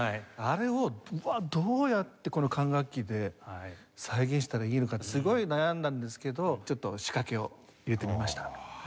あれをどうやってこの管楽器で再現したらいいのかってすごい悩んだんですけどちょっと仕掛けを入れてみました。